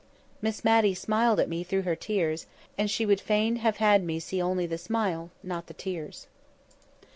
Miss Matty smiled at me through her tears, and she would fain have had me see only the smile, not the tears.